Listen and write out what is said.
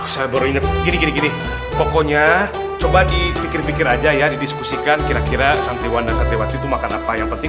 sampai jumpa di video selanjutnya